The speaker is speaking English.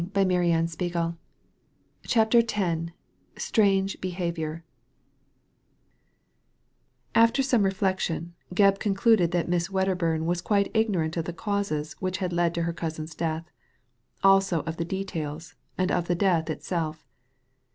H Digitized by Google CHAPTER X STRANGE BEHAVIOUR After some reflection Gebb concluded that Miss Wedderburn was quite ignorant of the causes which had led to her cousin's death; also of the details, and of the death itself.